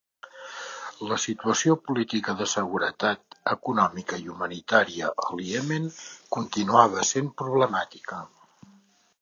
La situació política, de seguretat, econòmica i humanitària al Iemen continuava sent problemàtica.